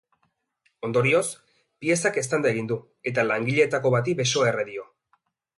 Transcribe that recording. Ondorioz, piezak eztanda egin du, eta langileetako bati besoa erre dio.